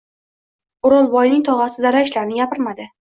O’rolboyning tog‘asi dala ishlarini gapirmadi.